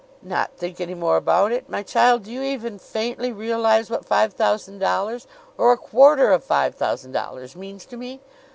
"Not think any more about it! My child, do you even faintly realize what five thousand dollars or a quarter of five thousand dollars means to me?